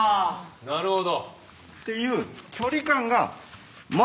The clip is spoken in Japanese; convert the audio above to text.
なるほど。